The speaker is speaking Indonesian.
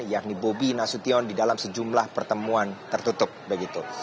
yakni bobi nasution di dalam sejumlah pertemuan tertutup begitu